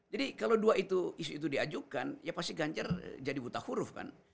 jadi kalau dua isu itu diajukan ya pasti ganjar jadi buta huruf kan